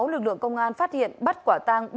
lực lượng công an phát hiện bắt quả ta